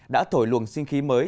đã thổi luồng sinh khí mới